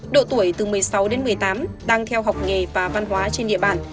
độ tuổi từ một mươi sáu đến một mươi tám đang theo học nghề và văn hóa trên địa bàn